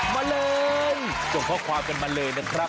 มาเลยส่งข้อความกันมาเลยนะครับ